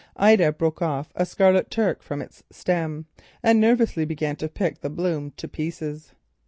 Ida broke off a Scarlet Turk from its stem, and nervously began to pick the bloom to pieces.